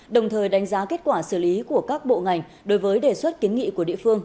đồng thời đánh giá kết quả xử lý của các bộ ngành đối với đề xuất kiến nghị của địa phương